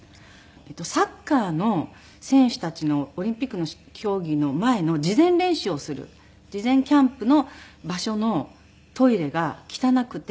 サッカーの選手たちのオリンピックの競技の前の事前練習をする事前キャンプの場所のトイレが汚くて。